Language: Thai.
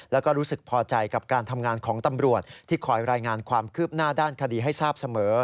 แล้วก็รู้สึกพอใจกับการทำงานของตำรวจที่คอยรายงานความคืบหน้าด้านคดีให้ทราบเสมอ